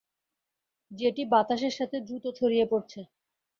যেটি বাতাসের সাথে দ্রুত ছড়িয়ে পড়ছে।